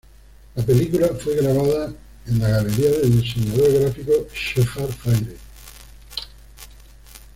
La película fue grabada en la galería del diseñador gráfico Shepard Fairey.